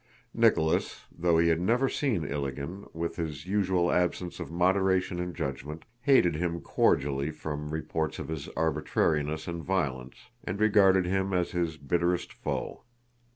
Nicholas, though he had never seen Ilágin, with his usual absence of moderation in judgment, hated him cordially from reports of his arbitrariness and violence, and regarded him as his bitterest foe.